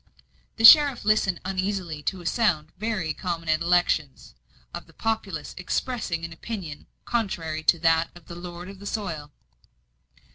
The sheriff listened uneasily to a sound, very uncommon at elections, of the populace expressing an opinion contrary to that of the lord of the soil.